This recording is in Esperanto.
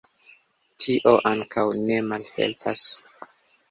Tio ankaŭ ne malhelpas.